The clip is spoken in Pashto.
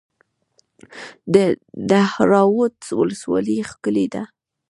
د دهراوود ولسوالۍ ښکلې ده